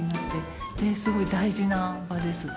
すごい大事な場です。